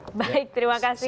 baik terima kasih